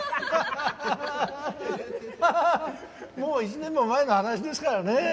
ハハハハもう１年も前の話ですからね。